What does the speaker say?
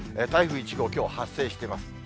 台風１号、きょう発生しています。